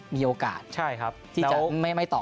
มีโอกาสที่จะไม่ตอบ